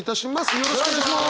よろしくお願いします。